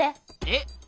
えっ？